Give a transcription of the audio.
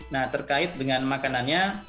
nah terkait dengan makanannya